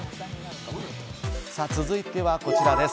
続いてはこちらです。